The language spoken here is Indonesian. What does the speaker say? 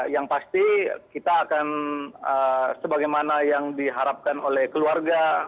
yang pasti kita akan sebagaimana yang diharapkan oleh keluarga